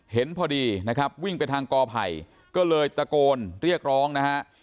เห็นพอดีนะครับวิ่งไปทางกอไผ่ก็เลยตะโกนเรียกร้องนะฮะ